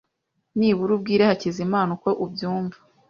Nibura ubwire Hakizimana uko ubyumva.